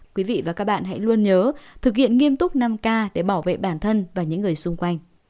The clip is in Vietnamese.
quý vị và các bạn hãy luôn nhớ thực hiện nghiêm túc năm k để bảo vệ bản thân và những người xung quanh